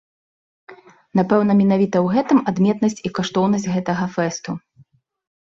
Напэўна менавіта ў гэтым адметнасць і каштоўнасць гэтага фэсту.